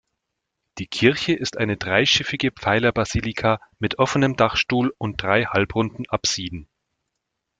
Die Kirche ist eine dreischiffige Pfeilerbasilika mit offenem Dachstuhl und drei halbrunden Apsiden.